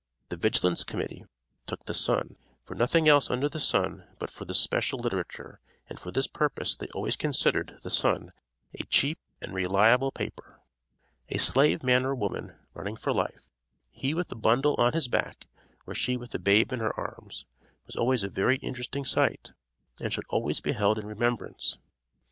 The Vigilance Committee took the "Sun," for nothing else under the sun but for this special literature, and for this purpose they always considered the "Sun" a cheap and reliable paper. A slave man or woman, running for life, he with a bundle on his back or she with a babe in her arms, was always a very interesting sight, and should always be held in remembrance.